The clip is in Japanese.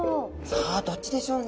さあどっちでしょうね？